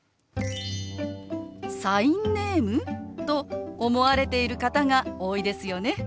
「サインネーム？」と思われている方が多いですよね。